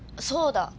そうだ。